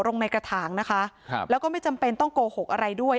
ลงในกระถางนะคะครับแล้วก็ไม่จำเป็นต้องโกหกอะไรด้วย